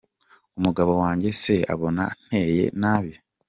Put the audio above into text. Umugabo wanjye se abona nteye nabi ?.